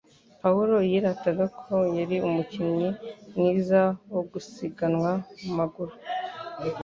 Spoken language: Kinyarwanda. Pawulo yirataga ko yari umukinnyi mwiza wo gusiganwa ku maguru,